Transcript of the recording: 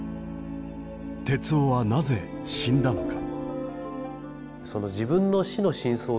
徹生はなぜ死んだのか。